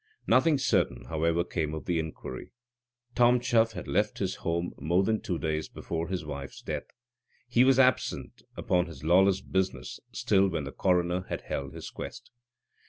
Nothing certain, however, came of the inquiry. Tom Chuff had left his home more than two days before his wife's death. He was absent upon his lawless business still when the coroner had held his quest.